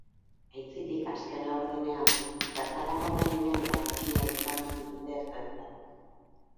Aitzitik, azken laurdenean, zertarako gai diren erakutsi nahi izan dute greziarrek.